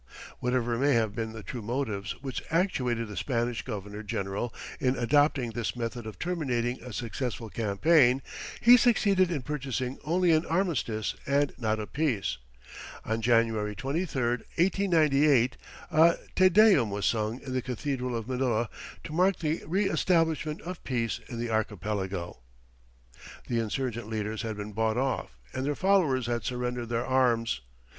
Whatever may have been the true motives which actuated the Spanish governor general in adopting this method of terminating a successful campaign, he succeeded in purchasing only an armistice and not a peace. On January 23, 1898, a Te Deum was sung in the cathedral of Manila to mark the reëstablishment of peace in the archipelago. The insurgent leaders had been bought off and their followers had surrendered their arms.